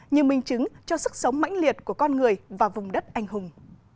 như minh chứng cho sức sống mãnh liệt của con người và vùng đất anh hùng